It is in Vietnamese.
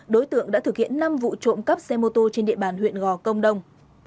đối tượng đã thực hiện năm vụ trộm cắp xe mô tô trên địa bàn huyện gò công đông